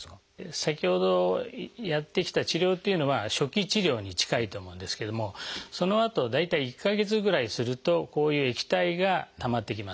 先ほどやってきた治療っていうのは初期治療に近いと思うんですけれどもそのあと大体１か月ぐらいするとこういう液体がたまってきます。